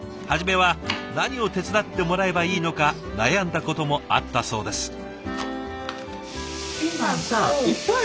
初めは何を手伝ってもらえばいいのか悩んだこともあったそうです。